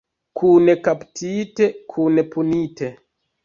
Kune kaptite, kune punite.